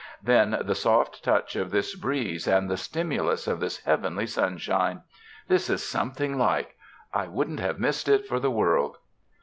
Then the soft touch of this breeze, and the stimulus of this heavenly sunshine. This is something like! I wouldn't have missed it for the world."